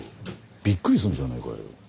びっくりするじゃねえかよ。